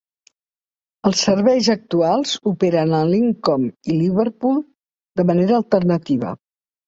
Els serveis actuals operen a Lidcombe i Liverpool de manera alternativa.